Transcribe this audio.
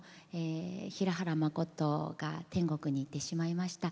平原まことが天国に行ってしまいました。